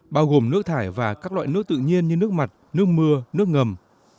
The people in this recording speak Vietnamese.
bao gồm nước thải và các loại nước tự nhiên như nước mặt nước mưa nước ngầm